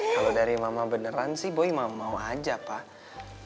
kalau dari mama beneran sih boy mama mau aja pak